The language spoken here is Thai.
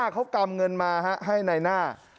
เขากำเงินมาให้ในหน้า